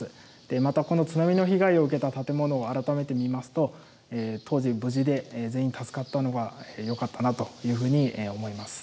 またこの津波の被害を受けた建物を改めて見ますと、当時、無事で全員助かったのがよかったなというふうに思います。